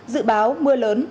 dự báo mưa lớn